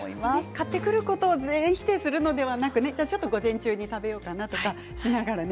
買ってくることを全否定するのではなくてちょっと午前中に食べようかなということですね。